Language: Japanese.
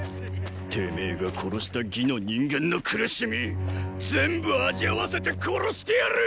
てめェが殺した魏の人間の苦しみ全部味わわせて殺してやる！！